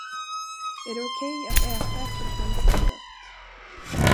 Är det okej att äta efter att man nästan dött?